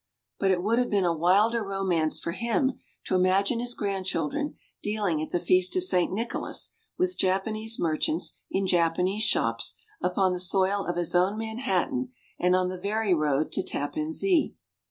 But it would have been a wilder romance for him to imagine his grandchildren dealing at the feast of St. Nicholas with Japanese merchants in Japanese shops upon the soil of his own Manhattan and on the very road to Tappan Zee.